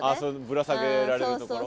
ぶら下げられるところ。